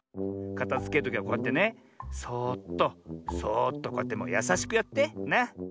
かたづけるときはこうやってねそっとそっとこうやってやさしくやって。な。